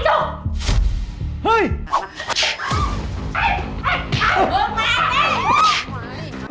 เบิกมาสิ